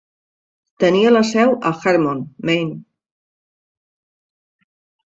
Tenia la seu a Hermon, Maine.